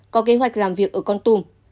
có kế hoạch làm việc ở con tum